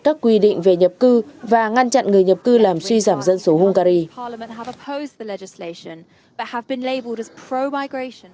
các quy định về nhập cư và ngăn chặn người nhập cư làm suy giảm dân số hungary